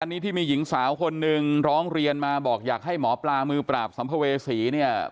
อันนี้ที่มีหญิงสาวคนหนึ่งร้องเรียนมาบอกอยากให้หมอปลามือปราบสัมภเวษีเนี่ย